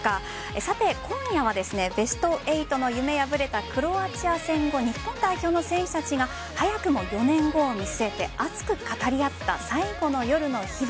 さて、今夜はベスト８の夢破れたクロアチア戦後に日本代表の選手たちが早くも４年後を見据えて熱く語り合った最後の夜の秘話。